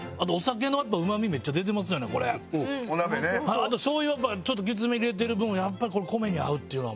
あとしょう油やっぱちょっときつめに入れてる分やっぱりこれ米に合うっていうのは。